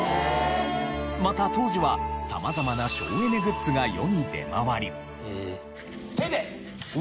また当時は様々な省エネグッズが世に出回り。